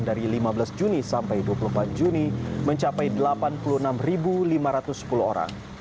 dari lima belas juni sampai dua puluh empat juni mencapai delapan puluh enam lima ratus sepuluh orang